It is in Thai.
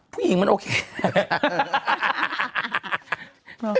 ผู้หญิงมันโอเค